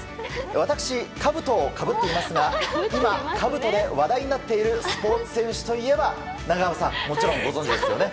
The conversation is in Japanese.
私、かぶとをかぶっていますが今、かぶとで話題になっているスポーツ選手といえば長濱さん、もちろんご存じですよね？